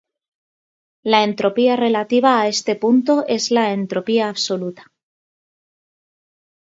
La entropía relativa a este punto es la entropía absoluta.